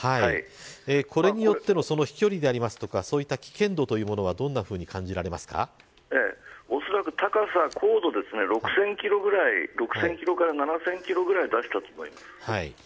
これによっての飛距離であるとかそういった危険度はおそらく高さ高度６０００キロぐらい６０００キロから７０００キロぐらい出したと思います。